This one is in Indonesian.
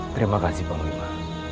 terima kasih bang wima